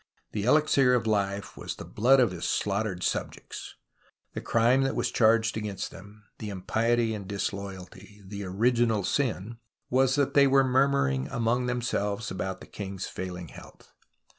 The elixir of life was the blood of THE STORY OV THE FLOOD 05 his slaughtered subjects ; and the crime that was charged against them — the impiety and disloyalty, the original sin — was that they were murmuring among themselves about the king's faihng health.